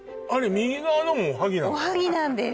あれ右側のもおはぎなの？